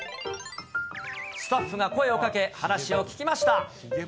スタッフが声をかけ、話を聞きました。